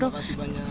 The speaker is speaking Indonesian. terima kasih banyak